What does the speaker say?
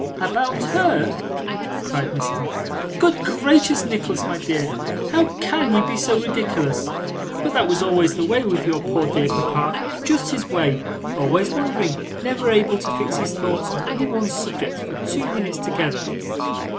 'About HER!' cried Mrs. Nickleby. 'Good gracious, Nicholas, my dear, how CAN you be so ridiculous! But that was always the way with your poor dear papa, just his way always wandering, never able to fix his thoughts on any one subject for two minutes together.